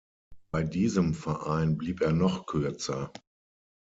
Bei diesem Verein blieb er noch kürzer.